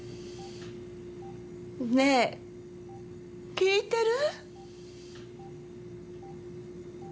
ねえ、聞いてる？